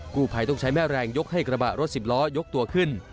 กู้ภัยต้องใช้แม่แรงยกให้กระบะรถสิบล้อยกตัวขึ้น